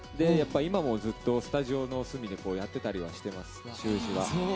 今もずっとスタジオの隅でやってたりはしてます。